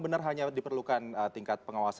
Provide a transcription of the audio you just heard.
benar hanya diperlukan tingkat pengawasan